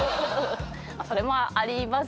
それもあります